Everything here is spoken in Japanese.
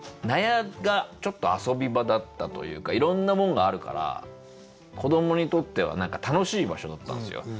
納屋がちょっと遊び場だったというかいろんなもんがあるから子どもにとっては何か楽しい場所だったんですよ。